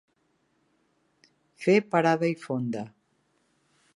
Fer parada i fonda.